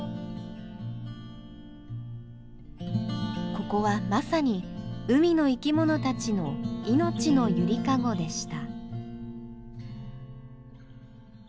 ここはまさに海の生きものたちの命の揺りかごでした。